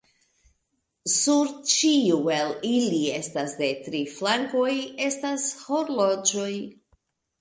Sur ĉiu el ili estas de tri flankoj estas horloĝoj.